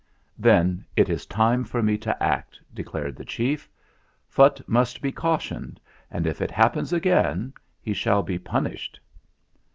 "Then it is time for me to act," declared the chief. "Phutt must be cautioned, and if it happens again he shall be punished."